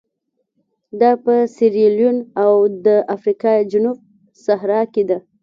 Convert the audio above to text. دا په سیریلیون او د افریقا جنوب صحرا کې ده.